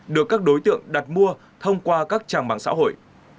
được các đối tượng đặt mua thông qua các trang mạng xã hội